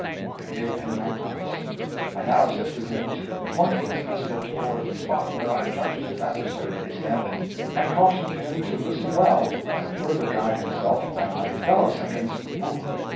I gave him my promise. I now assisted him to point his pistol toward the spot where I judged his adversary to be standing, and cautioned him to listen well and further guide himself by my fellow second's whoop.